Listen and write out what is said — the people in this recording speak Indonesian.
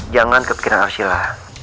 jangan kepikiran arshila